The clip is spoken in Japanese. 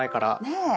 ねえ。